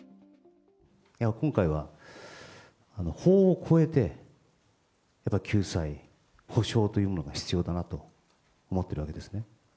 今回は、法を超えて、やっぱ救済、補償というものが必要だなと思ってるわけですね。